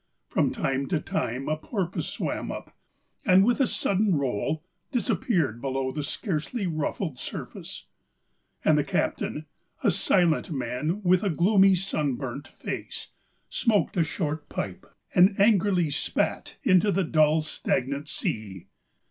From time to time a porpoise swam up, and with a sudden roll disappeared below the scarcely ruffled surface. And the captain, a silent man with a gloomy, sunburnt face, smoked a short pipe and angrily spat into the dull, stagnant sea.